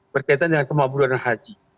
berkaitan dengan kemaburan haji